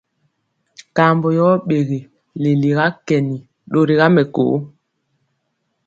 Kambɔ yɔ ɓegi leliga kɛni, ɗori ga mɛkoo.